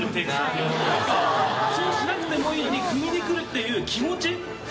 未そうしなくてもいいのにくみに来るっていう気持ち。